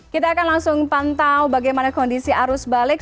kita akan langsung pantau bagaimana kondisi arus balik